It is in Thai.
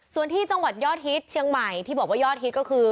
ส่วนที่จังหวัดยอดฮิตเชียงใหม่ที่บอกว่ายอดฮิตก็คือ